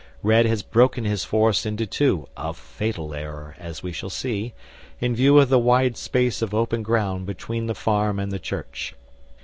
Red has broken his force into two, a fatal error, as we shall see, in view of the wide space of open ground between the farm and the church.